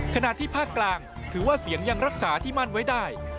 ขณะที่ภาคกลางถือว่าเสียงยังรักษาที่มั่นไว้ได้